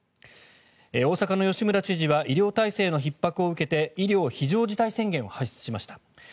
大阪の吉村知事は医療体制のひっ迫を受けて医療非常事態宣言を発出しました。